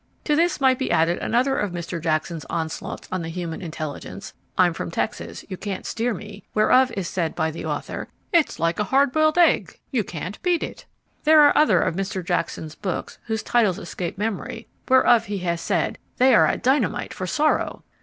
To this might be added another of Mr. Jackson's onslaughts on the human intelligence, I'm From Texas, You Can't Steer Me, whereof is said (by the author) "It is like a hard boiled egg, you can't beat it." There are other of Mr. Jackson's books, whose titles escape memory, whereof he has said "They are a dynamite for sorrow."